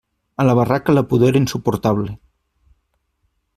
A la barraca la pudor era insuportable.